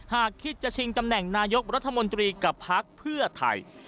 หากคิดจะชิงตำแหน่งนายกรัฐมนตรีกับพักเพื่อไทย